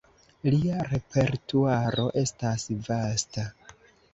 Lia repertuaro estas vasta.